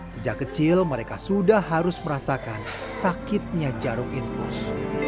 sejak kecil mereka sudah harus merasakan sakitnya jarum infus